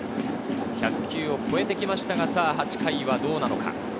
１００球を超えてきましたが、８回はどうなのか。